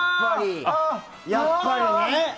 やっぱりね！